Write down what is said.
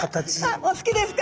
あっお好きですか？